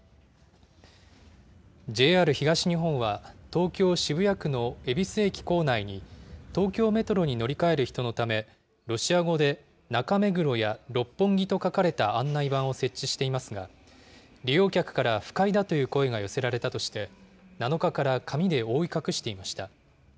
ＪＲ東日本は東京・渋谷区の恵比寿駅構内に、東京メトロに乗り換える人のため、ロシア語で中目黒や六本木と書かれた案内板を設置していますが、利用客から不快だという声が寄せられたとして、７日から紙で覆い隠していました。